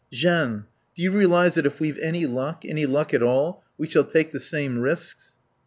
"... Jeanne do you realise that if we've any luck, any luck at all, we shall take the same risks?"